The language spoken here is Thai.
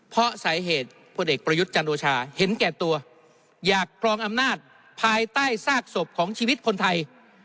เพราะสาเหตุพลเอกประยุทธ์จันโอชาเห็นแก่ตัวอยากกรองอำนาจภายใต้ซากศพของชีวิตคนไทย